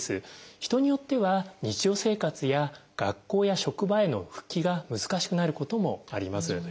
人によっては日常生活や学校や職場への復帰が難しくなることもあります。